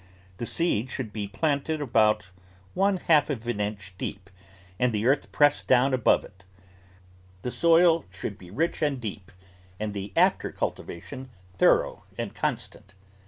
The seed should be planted about one half of an inch deep and the earth pressed down above it. The soil should be rich and deep and the after cultivation thorough and constant.